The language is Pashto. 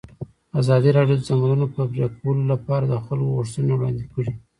ازادي راډیو د د ځنګلونو پرېکول لپاره د خلکو غوښتنې وړاندې کړي.